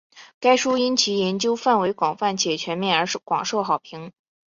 该书因其研究范围广泛且全面而广受好评。